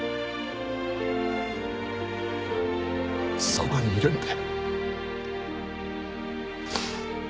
そばにいるんで。